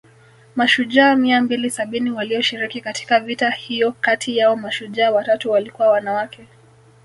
Mashujaa mia mbili sabini walioshiriki katika vita hiyo kati yao mashujaa watatu walikuwa wanawake